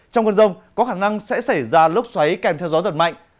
trong cơn rông có khả năng sẽ xảy ra lốc xoáy kèm theo gió giật mạnh